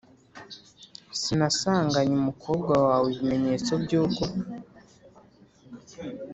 Sinasanganye umukobwa wawe ibimenyetso by uko